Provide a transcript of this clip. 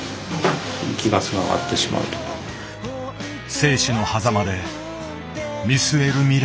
生死のはざまで見据える未来。